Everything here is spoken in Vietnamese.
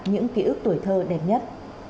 những ký ức tuổi thơ đẹp nhất